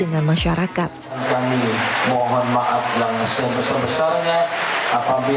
dan masyarakat komisi jambi